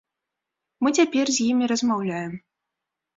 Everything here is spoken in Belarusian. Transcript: Мы цяпер з імі размаўляем.